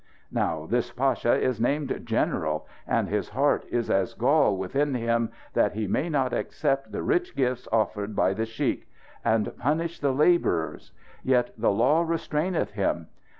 Now, this pasha is named 'General.' And his heart is as gall within him that he may not accept the rich gifts offered by the sheikh; and punish the labourers. Yet the law restraineth him.